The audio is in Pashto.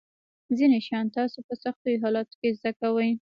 ځینې شیان تاسو په سختو حالاتو کې زده کوئ.